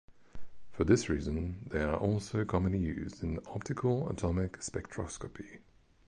For this reason, they are also commonly used in optical atomic spectroscopy.